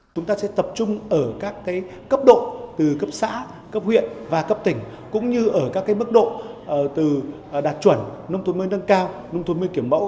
chúng ta sẽ tập trung ở các cấp độ từ cấp xã cấp huyện và cấp tỉnh cũng như ở các mức độ từ đạt chuẩn nông thôn mới nâng cao nông thôn mới kiểm mẫu